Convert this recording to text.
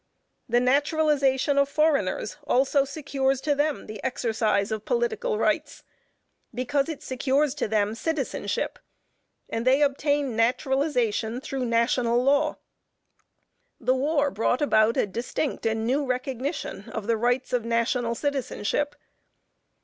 The naturalization of foreigners also secures to them the exercise of political rights, because it secures to them citizenship, and they obtain naturalization through national law. The war brought about a distinct and new recognition of the rights of national citizenship.